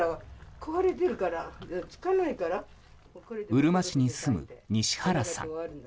うるま市に住む西原さん。